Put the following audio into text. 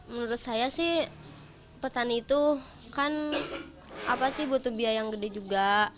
menurut saya sih petani itu kan apa sih butuh biaya yang gede juga